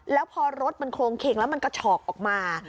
แล้วพอรถมันโครงเข็งแล้วมันกระฉอกออกมา